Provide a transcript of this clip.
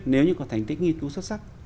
nếu như có thành tích nghiên cứu xuất sắc